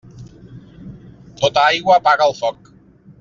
Tota aigua apaga el foc.